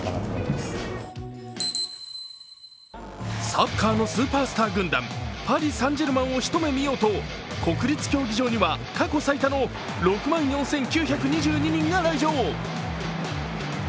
サッカーのスーパースター軍団、パリ・サン＝ジェルマンを一目見ようと国立競技場には過去最多の６万４９２２人が来場。